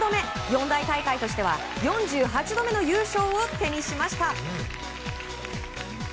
四大大会としては４８度目の優勝を手にしました。